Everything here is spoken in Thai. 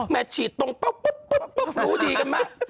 ฉีดตรงปุ๊บรู้ดีกันมาก